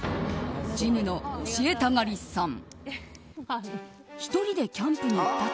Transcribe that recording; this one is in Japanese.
ジムの教えたがりさん。